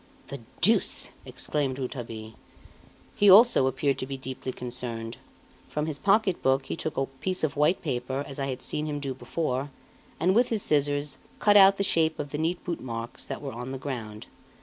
"The deuce!" exclaimed Rouletabille. He, also, appeared to be deeply concerned. From his pocket book he took a piece of white paper as I had seen him do before, and with his scissors, cut out the shape of the neat bootmarks that were on the ground.